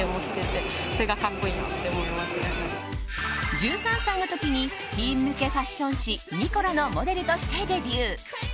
１３歳の時にティーン向けファッション誌「ｎｉｃｏｌａ」のモデルとしてデビュー。